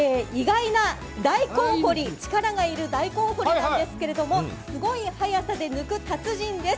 大根掘り、力がいる大根掘りなんですけどすごい速さで抜く達人です。